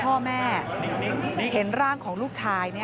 พบหน้าลูกแบบเป็นร่างไร้วิญญาณ